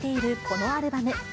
このアルバム。